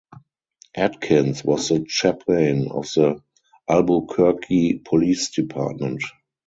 Adkins was the chaplain of the Albuquerque Police Department.